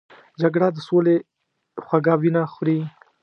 جګړه د سولې خوږه وینه خوري